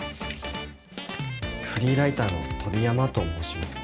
フリーライターの飛山と申します。